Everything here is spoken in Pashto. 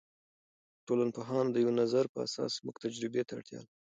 د ټولنپوهانو د یوه نظر په اساس موږ تجربې ته اړتیا لرو.